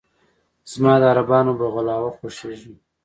زما د عربانو "بغلاوه" خوښېږي.